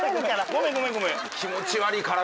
ごめんごめんごめん。